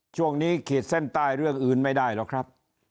ช่วงนี้เขียนเส้นใต้เรื่องอื่นไม่ได้หรอกครับ